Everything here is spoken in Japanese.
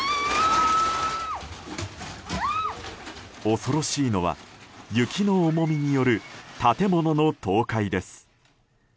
恐ろしいのは雪の重みによる建物の倒壊です。